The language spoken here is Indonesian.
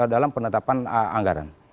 dalam penetapan anggaran